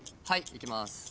はいいきます。